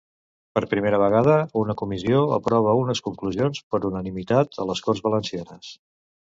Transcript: Per primera vegada una comissió aprova unes conclusions per unanimitat a les Corts Valencianes.